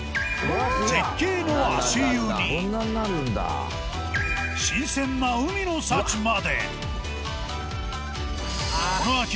絶景の足湯に新鮮な海の幸まで。